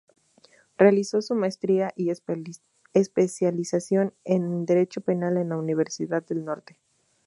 Realizó su maestría y especialización en Derecho Penal en la Universidad del Norte.